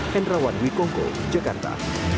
hendrawan wikongo jakarta